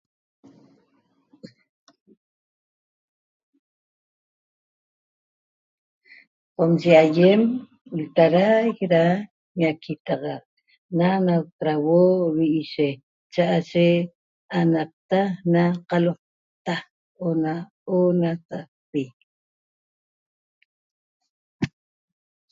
Qomye aiem lta'araic ra ñaquitaxac na nactrauo vi'iye cha'aye anaqta na qalota ona onatacpi